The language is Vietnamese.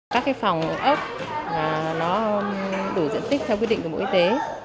các phòng ớt đủ diện tích theo quy định của bộ y tế